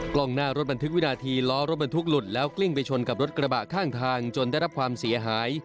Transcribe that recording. กล้องหน้ารถบันทึกวินาทีล้อรถบรรทุกหลุดแล้วกลิ้งไปชนกับรถกระบะข้างทางจนได้รับความเสียหาย